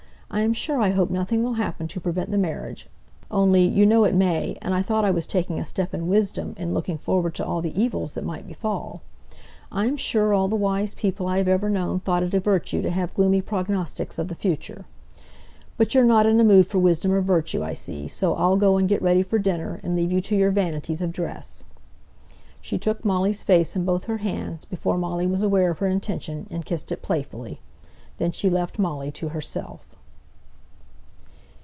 I'm sure I hope nothing will happen to prevent the marriage. Only, you know it may, and I thought I was taking a step in wisdom, in looking forward to all the evils that might befall. I'm sure all the wise people I've ever known thought it a virtue to have gloomy prognostics of the future. But you're not in a mood for wisdom or virtue, I see; so I'll go and get ready for dinner, and leave you to your vanities of dress." She took Molly's face in both her hands, before Molly was aware of her intention, and kissed it playfully. Then she left Molly to herself.